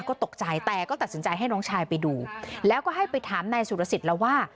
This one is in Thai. ก็ตกใจแต่ก็ตัดสินใจให้น้องชายไปดูแล้วก็ให้ไปถามนายสุรสิทธิ์แล้วว่า